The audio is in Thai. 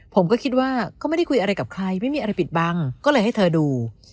ผมก็คิดว่าก็ไม่ได้คุยอะไรกับใครไม่มีอะไรปิดบังก็เลยให้เธอดู